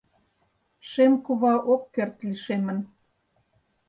Шем кува ок керт лишемын